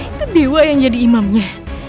itu dewa yang jadi imamnya